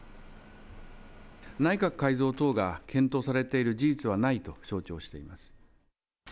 内閣改造等が検討されている事実はないと承知をしています。